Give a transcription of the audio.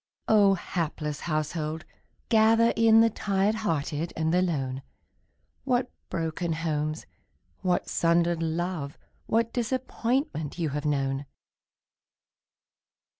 Oh, hapless household, gather in The tired hearted and the lone! What broken homes, what sundered love, What disappointment you have known!